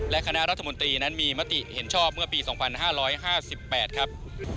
และคณะรัฐมนตรีนั้นมีมติเห็นชอบเมื่อปี๒๕๕๘ครับ